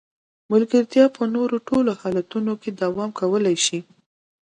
ملګرتیا په نورو ټولو حالتونو کې دوام کولای شي.